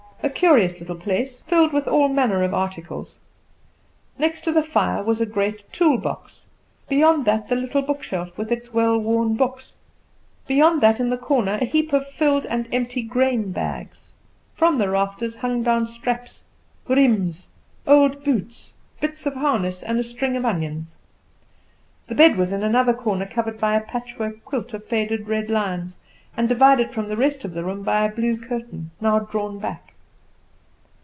A curious little place, filled with all manner of articles. Next to the fire was a great toolbox; beyond that the little bookshelf with its well worn books; beyond that, in the corner, a heap of filled and empty grain bags. From the rafters hung down straps, riems, old boots, bits of harness, and a string of onions. The bed was in another corner, covered by a patchwork quilt of faded red lions, and divided from the rest of the room by a blue curtain, now drawn back.